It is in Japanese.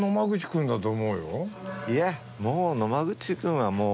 いや野間口君はもう。